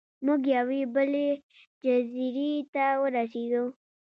موږ یوې بلې جزیرې ته ورسیدو.